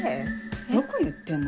どこに売ってんの？